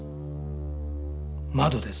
窓です。